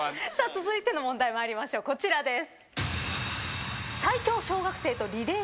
続いての問題参りましょうこちらです。